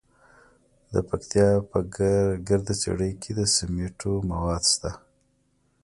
د پکتیا په ګرده څیړۍ کې د سمنټو مواد شته.